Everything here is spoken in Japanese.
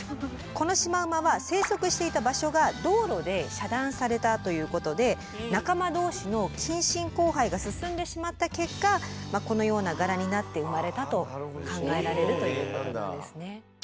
このシマウマは生息していた場所が道路で遮断されたということで仲間同士の近親交配が進んでしまった結果まあこのような柄になって生まれたと考えられるということですね。